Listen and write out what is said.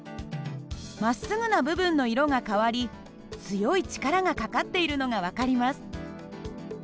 まっすぐな部分の色が変わり強い力がかかっているのが分かります。